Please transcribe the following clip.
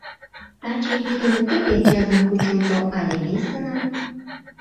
Таче йӱдым тиде чызым кучылто але весыным?